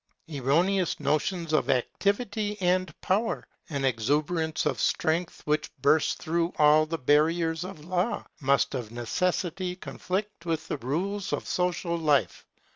Erroneous notions of activity and power, an exuberance of strength which bursts through all the barriers of law, must of necessity conflict with the rules of social life.